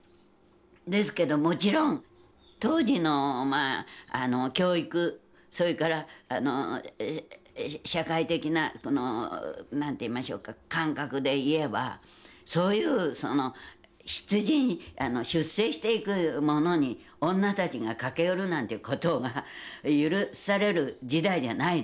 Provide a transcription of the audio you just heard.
ですけどもちろん当時の教育それから社会的な何て言いましょうか感覚で言えばそういう出陣出征していく者に女たちが駆け寄るなんていうことが許される時代じゃないです。